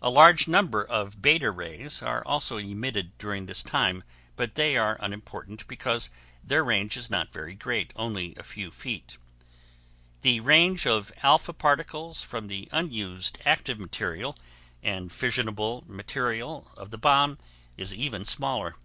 A large number of beta rays are also emitted during this time, but they are unimportant because their range is not very great, only a few feet. The range of alpha particles from the unused active material and fissionable material of the bomb is even smaller.